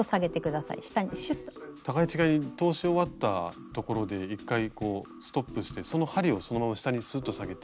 互い違いに通し終わったところで１回こうストップしてその針をそのまま下にスッと下げて。